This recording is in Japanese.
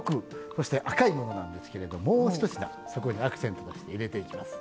そして赤いものなんですけれどもう一品そこにアクセントとして入れていきます。